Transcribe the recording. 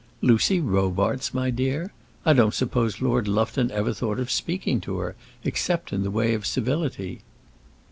"Lucy Robarts, my dear! I don't suppose Lord Lufton ever thought of speaking to her, except in the way of civility."